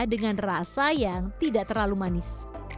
dengan rasa yang tidak terlalu manis